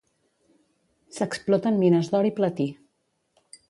S'exploten mines d'or i platí.